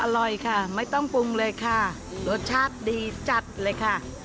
อร่อยค่ะไม่ต้องปรุงเลยค่ะรสชาติดีจัดเลยค่ะ